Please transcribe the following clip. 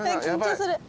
緊張する。